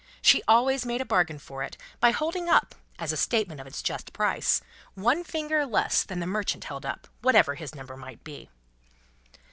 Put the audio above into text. She always made a bargain for it, by holding up, as a statement of its just price, one finger less than the merchant held up, whatever his number might be.